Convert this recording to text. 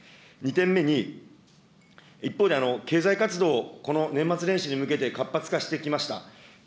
２点目に、一方で、経済活動を、この年末年始に向けて、活発化してきました。